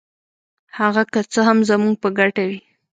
هغه که څه هم زموږ په ګټه وي.